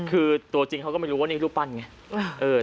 คือตัวจริงเขาก็ไม่รู้ว่านี่รูปปั้นไง